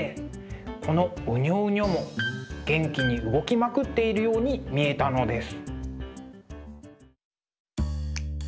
このうにょうにょも元気に動きまくっているように見えたのです。